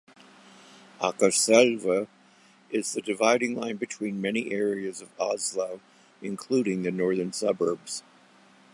Akerselva is the dividing line between many areas of Oslo including the northern suburbs.